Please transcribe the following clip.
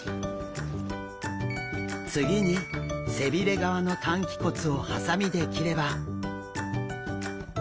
次に背びれ側の担鰭骨をハサミで切れば。